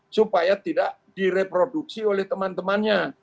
supaya tidak direproduksi oleh teman temannya